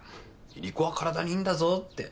いりこは体にいいんだぞって。